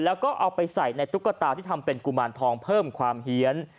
แล้วก็เอาไปใส่ในตุ๊กตาที่ทำเป็นกุมารทองเพิ่มความเฮียน